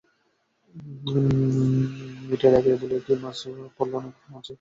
নিতাই ডাকিয়া বলে, কী মাছ পড়ল মাঝি?